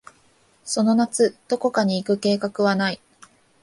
その夏、どこかに行く計画はない。